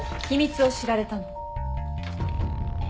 秘密を知られたの。